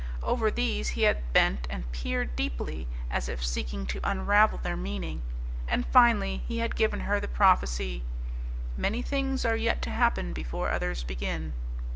Over these he had bent and peered deeply, as if seeking to unravel their meaning, and finally he had given her the prophecy, "Many things are yet to happen before others begin."